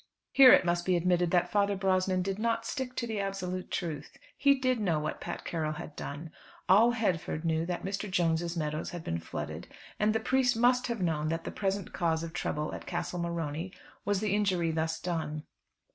Here it must be admitted Father Brosnan did not stick to the absolute truth. He did know what Pat Carroll had done. All Headford knew that Mr. Jones's meadows had been flooded, and the priest must have known that the present cause of trouble at Castle Morony, was the injury thus done.